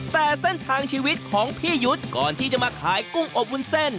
แต่เส้นทางชีวิตของพี่ยุทธ์ก่อนที่จะมาขายกุ้งอบวุ้นเส้น